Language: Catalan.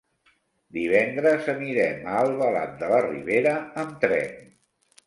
Divendres anirem a Albalat de la Ribera amb tren.